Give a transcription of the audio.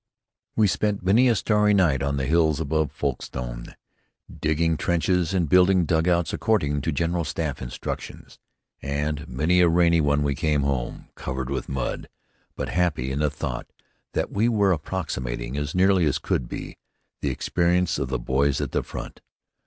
We spent many a starry night on the hills above Folkestone digging trenches and building dug outs according to General Staff instructions, and many a rainy one we came home, covered with mud, but happy in the thought that we were approximating, as nearly as could be, the experience of the boys at the front.